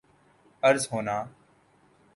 عرض ہونا